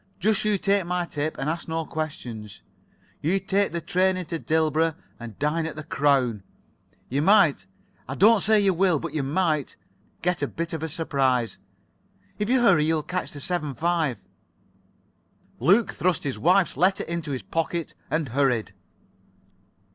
Just you take my tip and ask no questions. You take the train into Dilborough and dine at the 'Crown.' You might—I don't say you will, but you might—get a bit of a surprise. If you hurry you'll catch the 7.5." Luke thrust his wife's letter into his pocket, and hurried.